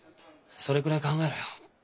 それくらい考えろよ。